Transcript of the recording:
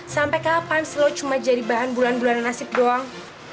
sampai kapan slow cuma jadi bahan bulan bulanan nasib doang